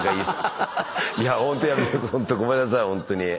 いやホントごめんなさいホントに。